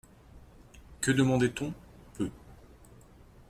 Que demandait-on ? Peu.